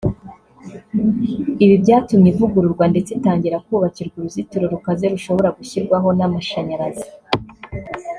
Ibi byatumye ivugururwa ndetse itangira kubakirwa uruzitiro rukaze rushobora gushyirwaho n’amashanyarazi